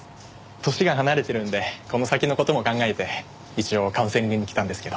年が離れてるんでこの先の事も考えて一応カウンセリングに来たんですけど。